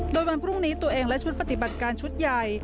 โดยวันพรุ่งนี้ตัวเองและชุดปฏิบัติการชุดใหญ่